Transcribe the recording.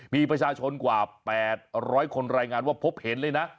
มีประชาชนกว่า๘๐๐คนรายงานว่าพบเห็นเลยนะ